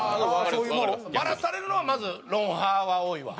バラされるのはまず『ロンハー』は多いわ。